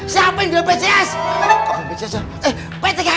siapin dia créer kegelapan